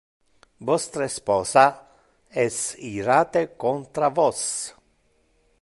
Vostre sposa es irate contra vos.